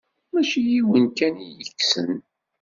Mačči d yiwen kan i kksen.